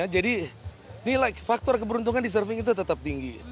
jadi nilai faktor keberuntungan di surfing itu tetap tinggi